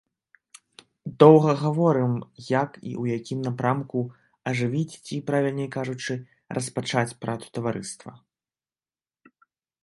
Доўга гаворым, як і ў якім напрамку ажывіць ці, правільней кажучы, распачаць працу таварыства.